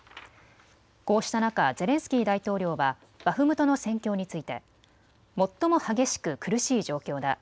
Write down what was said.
こうした中、ゼレンスキー大統領はバフムトの戦況について最も激しく苦しい状況だ。